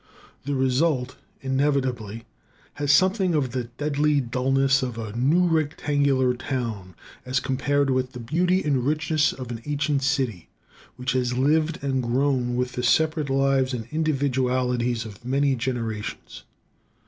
The result inevitably has something of the deadly dullness of a new rectangular town, as compared with the beauty and richness of an ancient city which has lived and grown with the separate lives and individualities of many generations.